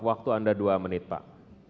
waktu anda dua menit pak